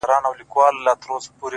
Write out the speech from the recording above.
ما په سهار لس رکاته کړي وي ـ